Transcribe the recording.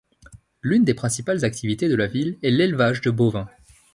L'une des principales activités de la ville est l'élevage de bovins.